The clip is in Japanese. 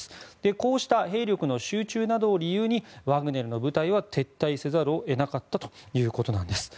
こうした兵力の集中などを理由にワグネルの部隊は撤退せざるを得なかったということなんです。